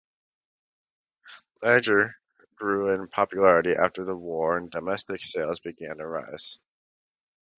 Lager grew in popularity after the War and domestic sales began to rise.